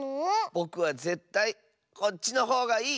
ぼくはぜったいこっちのほうがいい！